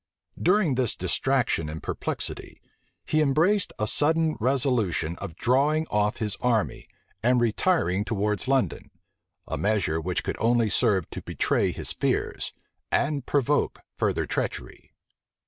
During this distraction and perplexity, he embraced a sudden resolution of drawing off his army, and retiring towards London; a measure which could only serve to betray his fears, and provoke further treachery.